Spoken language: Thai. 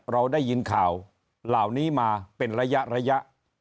เราได้ยินข่าวเหล่านี้มาเป็นระยะ